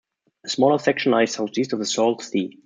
A smaller section lies southeast of Sault Ste.